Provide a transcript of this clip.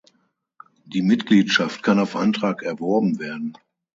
Die Mitgliedschaft kann auf Antrag erworben werden.